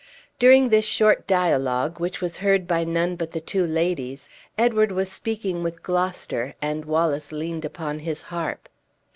During this short dialogue, which was heard by none but the two ladies, Edward was speaking with Gloucester, and Wallace leaned upon his harp.